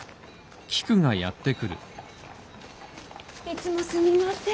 いつもすみません。